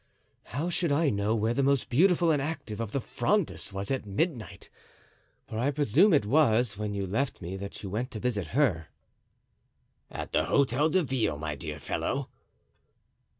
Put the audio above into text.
"How should I know where the most beautiful and active of the Frondists was at midnight? for I presume it was when you left me that you went to visit her." "At the Hotel de Ville, my dear fellow."